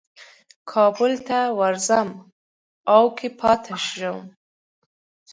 کابل ته ورځم او که پاتېږم.